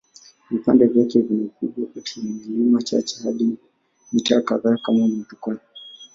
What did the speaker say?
Vipande vyake vina ukubwa kati ya milimita chache hadi mita kadhaa kama motokaa.